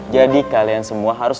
jadi kalian semua harus